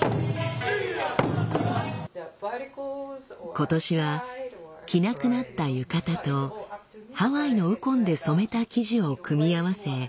今年は着なくなった浴衣とハワイのウコンで染めた生地を組み合わせ